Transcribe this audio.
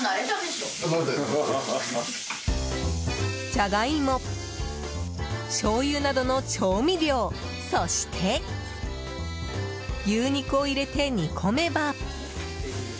ジャガイモしょうゆなどの調味料そして牛肉を入れて煮込めば。